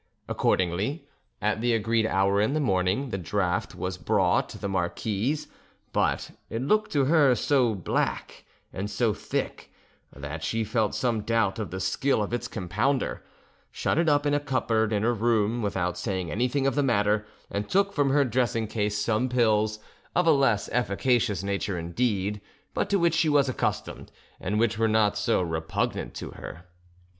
Accordingly, at the agreed hour in the morning, the draught was brought to the marquise; but it looked to her so black and so thick that she felt some doubt of the skill of its compounder, shut it up in a cupboard in her room without saying anything of the matter, and took from her dressing case some pills, of a less efficacious nature indeed, but to which she was accustomed, and which were not so repugnant to her.